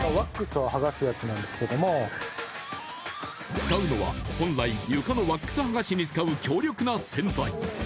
使うのは本来、床のワックスはがしに使う強力な洗剤。